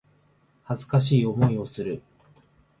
恥ずかしい思いをする